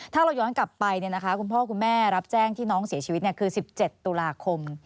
ถ้าเราย้อนกลับไปคุณพ่อคุณแม่รับแจ้งที่น้องเสียชีวิตคือ๑๗ตุลาคม